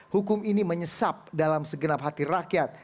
hukum ini menyesap dalam segenap hati rakyat